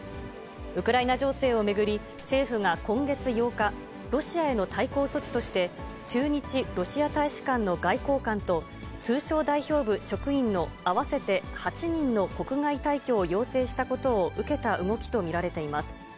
ウクライナ情勢を巡り、政府が今月８日、ロシアへの対抗措置として、駐日ロシア大使館の外交官と、通商代表部職員の合わせて８人の国外退去を要請したことを受けた動きと見られています。